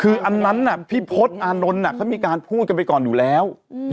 คืออันนั้นพี่พศอานนท์เขามีการพูดกันไปก่อนอยู่แล้ว